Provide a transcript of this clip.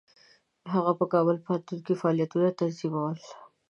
هغه په کابل پوهنتون کې فعالیتونه تنظیمول.